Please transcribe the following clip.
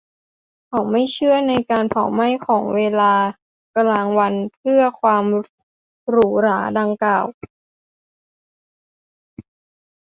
เขาไม่เชื่อในการเผาไหม้ของเวลากลางวันเพื่อความหรูหราดังกล่าว